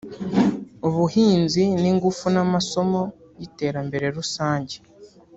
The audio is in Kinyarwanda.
ubuhinzi n’ingufu n’amasomo y’iterambere rusange